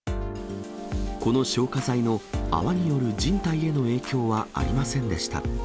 この消火剤の泡による人体への影響はありませんでした。